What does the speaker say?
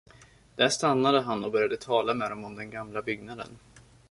Där stannade han och började tala med dem om den gamla byggnaden.